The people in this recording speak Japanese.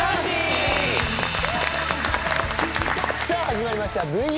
さあ始まりました